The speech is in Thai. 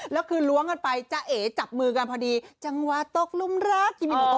แล้วก็คืนล้วงกันไปจ้าเอ๋จับมือกันพอดีจังหวะตกลุ่มรักที่มินโตตกลุ่มรัก